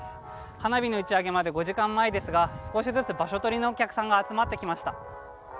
花火の打ち上げまで５時間前ですが少しずつ場所取りのお客さんが集まってきました。